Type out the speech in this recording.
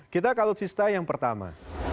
kita alutsista yang pertama